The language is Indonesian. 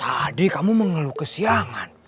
tadi kamu mengeluh ke siangan